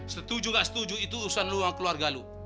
setuju gak setuju itu usaha lo sama keluarga lo